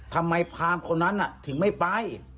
ทำไมพรามคนนั้นถึงไม่ไป